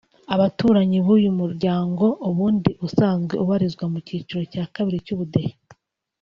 Abaturanyi b’uyu muryango ubundi usanzwe ubarizwa mu cyiciro cya kabiri cy’ubudehe